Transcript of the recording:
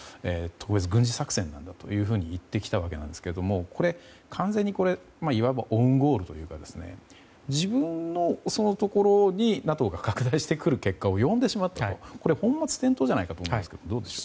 軍事作戦なんだと言ってきたわけですがいわばオウンゴールというか自分も襲うところにＮＡＴＯが拡大することを呼んでしまって本末転倒じゃないかと思いますがどうですか？